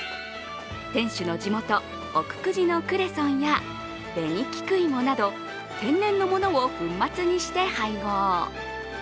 店主の地元、奥久慈のクレソンや紅菊芋など天然のものを粉末にして配合。